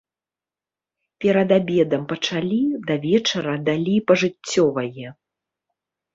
Перад абедам пачалі, да вечара далі пажыццёвае.